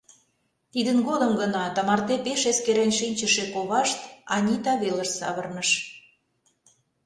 Тидын годым гына тымарте пеш эскерен шинчыше ковашт Анита велыш савырныш.